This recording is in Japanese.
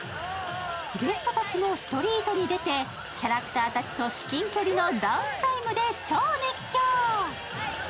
ゲストたちもストリートに出てキャラクターたちと至近距離のダンスタイムで超熱狂！